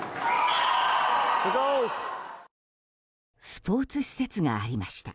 スポーツ施設がありました。